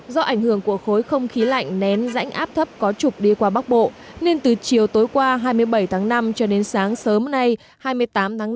do ảnh hưởng của khối không khí lạnh nén rãnh áp thấp có trục đi qua bắc bộ nên từ chiều tối qua hai mươi bảy tháng năm cho đến sáng sớm nay hai mươi tám tháng năm